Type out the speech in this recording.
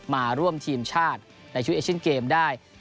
มาร่วมทีมชาติในช่วงอัปดาห์ได้